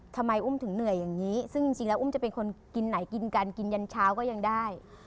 ทำไมอุ้มถึงเหนื่อยอย่างนี้ซึ่งจริงแล้วอุ้มจะเป็นคนกินไหนกินกันกินยันเช้าก็ยังได้